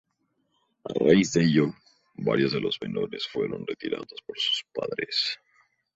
A raíz de ello, varios de los menores fueron retirados por sus padres.